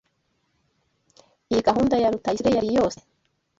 Iyi gahunda ya Rutayisire yari yose?